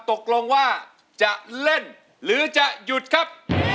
ตกลงว่าจะเล่นหรือจะหยุดครับ